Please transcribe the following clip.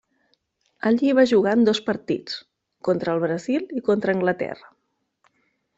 Allí va jugar en dos partits, contra el Brasil i contra Anglaterra.